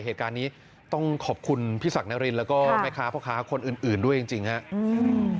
เหตุการณ์นี้ต้องขอบคุณพี่ศักดิ์นารินแล้วก็แม่ค้าพ่อค้าคนอื่นอื่นด้วยจริงจริงครับ